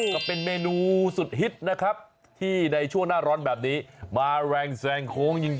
ก็เป็นเมนูสุดฮิตที่ช่วงหน้าร้อนแบบนี้มาแวงแสงโค้งจริงเลย